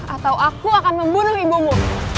atau aku akan membunuh ibumu